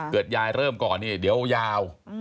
เกิดยายเริ่มก่อนเดี๋ยวยาว